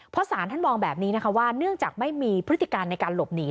เพราะสารท่านมองแบบนี้นะคะว่าเนื่องจากไม่มีพฤติการในการหลบหนี